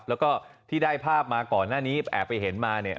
แล้วก็ที่ได้ภาพมาก่อนหน้านี้แอบไปเห็นมาเนี่ย